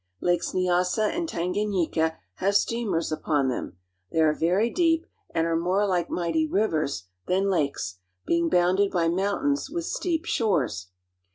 Lakes Nyassa and Tanganyika have steamers upon them. They are very deep and are more like mighty rivers than lakes, being bounded by mountains, with steep shores.